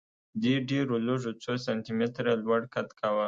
دې ډېرو لږو څو سانتي متره لوړ قد کاوه